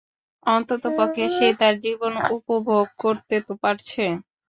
অন্তত পক্ষে সে তার জীবন উপভোগ করতে তো পারছে।